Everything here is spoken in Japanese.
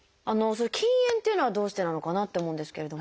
「禁煙」っていうのはどうしてなのかなと思うんですけれども。